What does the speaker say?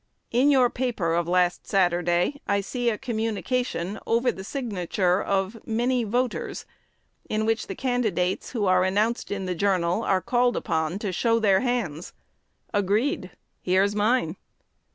In your paper of last Saturday, I see a communication over the signature of "Many Voters," in which the candidates who are announced in the "Journal" are called upon to "show their hands." Agreed. Here's mine.